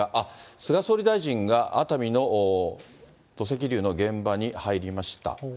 菅総理大臣が、熱海の土石流の現場に入りました。